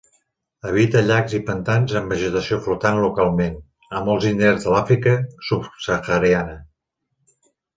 Habita llacs i pantans amb vegetació flotant localment, a molts indrets de l'Àfrica Subsahariana.